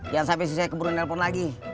jangan sampai saya keburu nelpon lagi